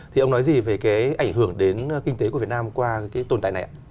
thì ông nói gì về cái ảnh hưởng đến kinh tế của việt nam qua cái tồn tại này ạ